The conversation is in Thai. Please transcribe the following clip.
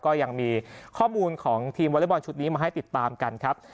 ก็ยังมีข้อมูลของทีมวอเล็กบอลชุดนี้มาให้ติดตามกันครับ